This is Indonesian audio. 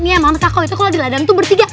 ya mams aku itu kalau di ladang tuh bertiga